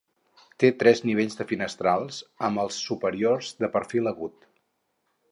Té tres nivells de finestrals, amb els superiors de perfil agut.